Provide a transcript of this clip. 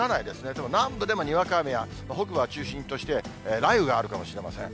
でも南部でもにわか雨や、北部を中心として、雷雨があるかもしれません。